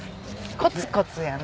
コツコツやな。